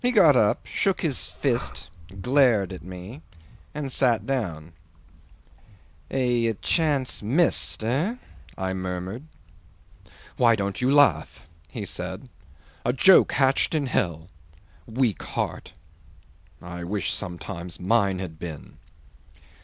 'He got up, shook his fist, glared at me, and sat down. '"A chance missed, eh?" I murmured. '"Why don't you laugh?" he said. "A joke hatched in hell. Weak heart! ... I wish sometimes mine had been."